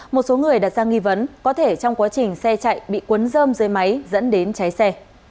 một số người đặt ra nghi vấn có thể trong quá trình xe chạy bị cuốn dơm dưới máy dẫn đến cháy xe